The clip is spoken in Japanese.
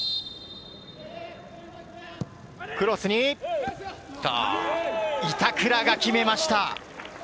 クロスに、板倉が決めました。